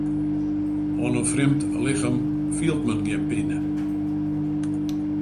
Oan in frjemd lichem fielt men gjin pine.